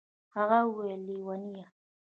هغه وويل وه ليونيه.